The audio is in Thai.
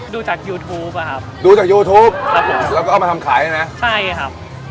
ดูจากยูทูปอ่ะครับดูจากยูทูปครับผมแล้วก็เอามาทำขายเลยนะใช่ครับ